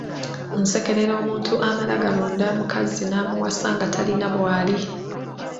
Nsekerera omuntu amala galonda mukazi n’amuwasa nga talina na bw’ali.